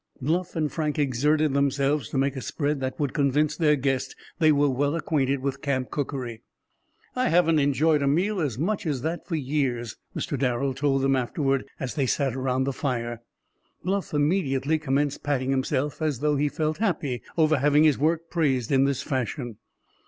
Bluff and Frank exerted themselves to make a spread that would convince their guest they were well acquainted with camp cookery. "I haven't enjoyed a meal as much as that for years," Mr. Darrel told them afterward, as they sat around the fire. Bluff immediately commenced patting himself, as though he felt happy over having his work praised in this fashion.